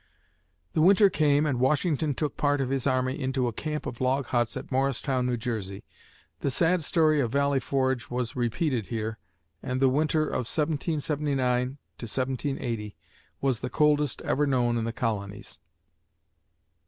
The winter came and Washington took part of his army into a camp of log huts at Morristown, New Jersey. The sad story of Valley Forge was repeated here and the winter (1779 1780) was the coldest ever known in the colonies.